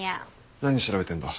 何調べてんだ？